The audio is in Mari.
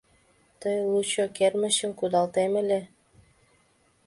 — Тый лучо кермычым кудалтем ыле.